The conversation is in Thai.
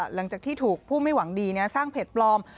หลังจากที่ถูกผู้ไม่หวังดีสร้างเพจปลอม